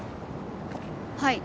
はい。